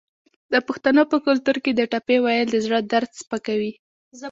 د پښتنو په کلتور کې د ټپې ویل د زړه درد سپکوي.